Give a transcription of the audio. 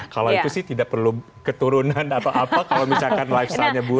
kalau itu sih tidak perlu keturunan atau apa kalau misalkan lifestylenya buru